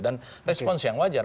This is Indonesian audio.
dan respons yang wajar